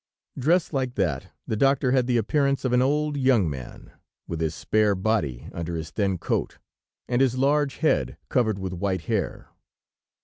Dressed like that, the doctor had the appearance of an old young man, with his spare body under his thin coat, and his large head covered with white hair.